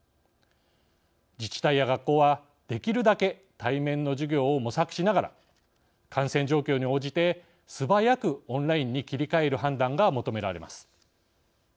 自治体や学校はできるだけ対面の授業を模索しながら感染状況に応じて素早くオンラインに切り替える判断が求められます。